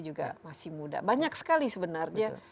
juga masih muda banyak sekali sebenarnya